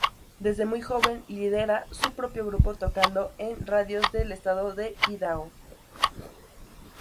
Desde muy joven lidera su propio grupo, tocando en radios del estado de Idaho.